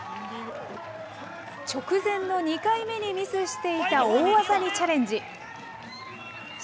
直前の２回目にミスしていた大技にチャレンジ。